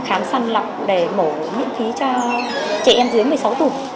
em khám săn lọc để mổ miễn phí cho trẻ em dưới một mươi sáu tuổi